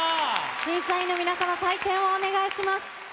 審査員の皆様、採点をお願いします。